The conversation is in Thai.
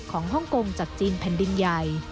ฮ่องกงจากจีนแผ่นดินใหญ่